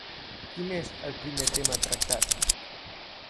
Quin és el primer tema tractat?